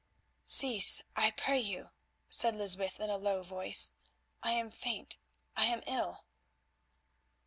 "Cease, I pray you," said Lysbeth in a low voice; "I am faint, I am ill."